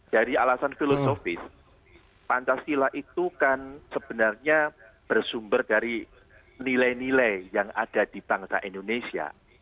dari alasan filosofis pancasila itu kan sebenarnya bersumber dari nilai nilai yang ada di bangsa indonesia